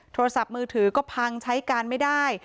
โทรศัพท์มือถือก็พังใช้การไม่ได้